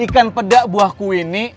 ikan pedak buah ku ini